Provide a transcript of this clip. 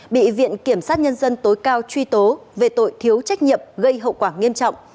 bị viện kiểm sát nhân dân tối cao truy tố về tội thiếu trách nhiệm gây hậu quả nghiêm trọng